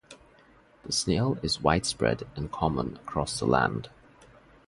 The snail is widespread and common across the island.